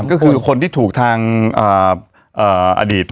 ก็คือคนที่ถูกทางอดีต